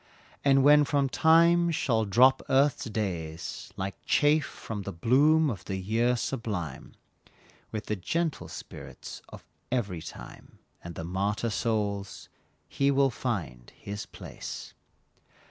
And when from Time shall drop Earth's days Like chaff from the bloom of the year sublime, With the gentle spirits of every time, And the martyr souls, he will find his place.